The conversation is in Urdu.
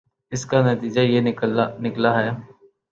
اس کا نتیجہ یہ نکلا ہے